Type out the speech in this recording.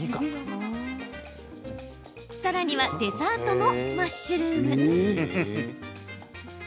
さらにはデザートもマッシュルーム。